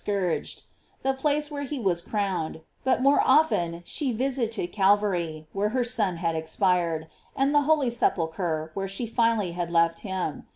scourged; the place where he was crowned; but more often she visited Calvary, where her Son had expired; and the holy sepulchre, where she finally had left him.